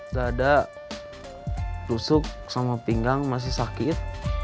dada rusuk sama pinggang masih sakit